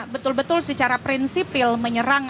betul betul secara prinsipil menyerang